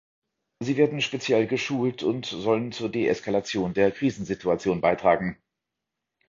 Sie werden speziell geschult und sollen zur Deeskalation der Krisensituation beitragen.